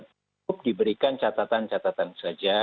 cukup diberikan catatan catatan saja